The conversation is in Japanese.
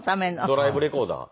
ドライブレコーダー。